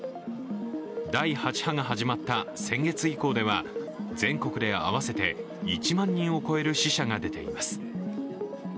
第８波が始まった先月以降では全国で合わせて１万人を超える死者が出ています。